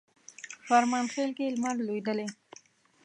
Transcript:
فرمانخیل کښي لمر لوېدلی